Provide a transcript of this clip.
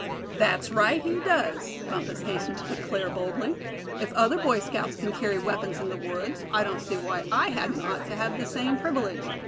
"That's right, he does," Bumpus hastened to declare, boldly. "If other Boy Scouts c'n carry weapons in the woods, I don't see why I hadn't ought to have the same privilege.